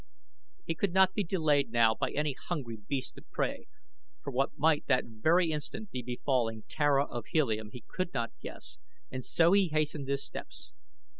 He could not be delayed now by any hungry beast of prey, for what might that very instant be befalling Tara of Helium he could not guess; and so he hastened his steps.